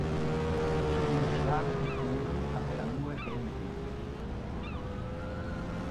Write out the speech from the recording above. Für die geschlagenen Polen hatte er nur Häme übrig.